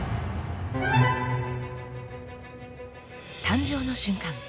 誕生の瞬間